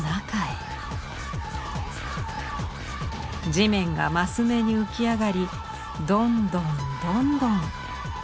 地面が升目に浮き上がりどんどんどんどん。